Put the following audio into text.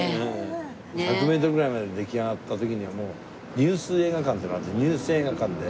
１００メートルぐらいまで出来上がった時にはもうニュース映画館っていうのがあってニュース映画館で。